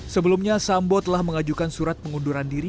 sebelumnya sambo telah mengajukan surat pengunduran diri